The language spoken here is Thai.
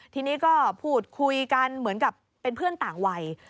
ทีนี้ก็พูดคุยกันเหมือนกับเป็นเพื่อนต่างวัย